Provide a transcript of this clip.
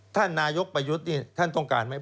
ท่านนายกประยุทธ์นี่ท่านต้องการไหม